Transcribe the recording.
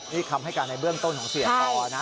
นี่คำให้การในเบื้องต้นของเสียปอนะ